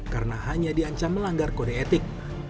karena hanya diancam melanggar kode etik